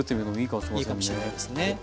いいかもしれないですね。